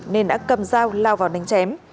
nên đã cầm dao lao vào đánh chém